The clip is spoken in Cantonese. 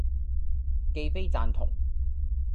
既非贊同，